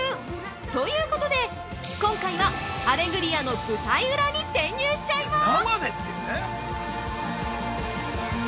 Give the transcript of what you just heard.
ということで、今回はアレグリアの舞台裏に潜入しちゃいます！